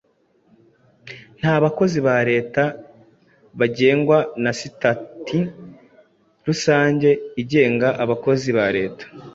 nabakozi ba Leta bagengwa na sitati rusange igenga abakozi ba Leta